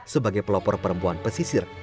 sebagai pelopor perempuan pesisir